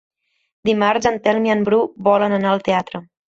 Dimarts en Telm i en Bru volen anar al teatre.